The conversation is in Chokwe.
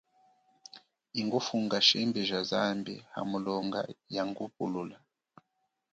Ingufunga shimbi ja zambi, hamulonga, yangupulula.